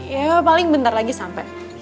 ya paling bentar lagi sampai